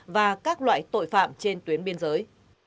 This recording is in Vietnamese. và các loại tội phạm trên tuyến biên giới